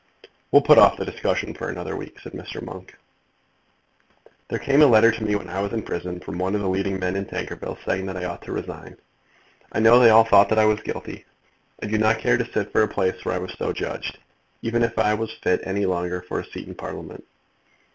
"We'll put off the discussion for another week," said Mr. Monk. "There came a letter to me when I was in prison from one of the leading men in Tankerville, saying that I ought to resign. I know they all thought that I was guilty. I do not care to sit for a place where I was so judged, even if I was fit any longer for a seat in Parliament."